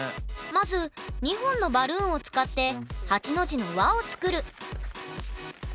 まず２本のバルーンを使って８の字の輪を作る。